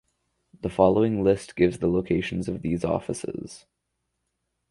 The following list gives the locations of these offices.